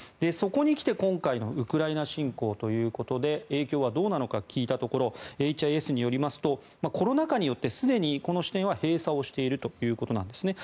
そこに来て今回のウクライナ侵攻ということで影響はどうなのか聞いたところエイチ・アイ・エスによりますとコロナ禍によってすでにこの支店は閉鎖しているということです。